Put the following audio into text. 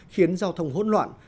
khiến giao thông hỗn loạn